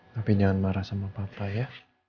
tapi jangan marah sama papa ya